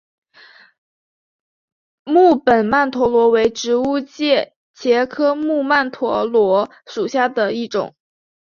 木本曼陀罗为植物界茄科木曼陀罗属下的一种。